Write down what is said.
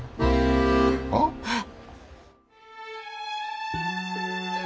あっ？えっ？